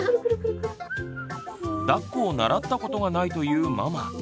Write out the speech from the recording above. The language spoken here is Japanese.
だっこを習ったことがないというママ。